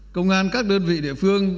công an các đơn vị địa phương